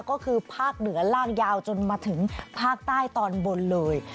ก็คือภาคเหนือลากยาวจนมาถึงภาคใต้ตอนบนเลย